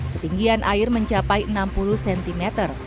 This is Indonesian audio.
ketinggian air mencapai enam puluh cm